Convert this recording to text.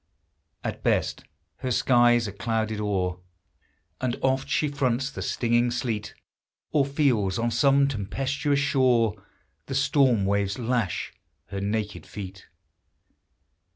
At best her skies are clouded o'er, And oft she fronts the stinging sleet, Or feels on some tempestuous shore The storm waves lash her naked feet.